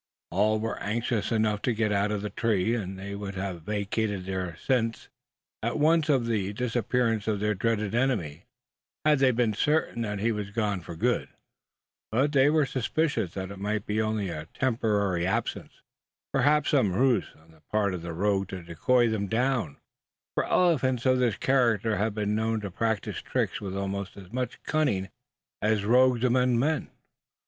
All were anxious enough to get out of the tree; and they would have vacated their sents at once on the disappearance of their dreaded enemy, had they been certain that he was gone for good; but they were suspicious that it might be only a temporary absence perhaps some ruse of the rogue to decoy them down: for elephants of this character have been known to practise tricks with almost as much cunning as rogues among men.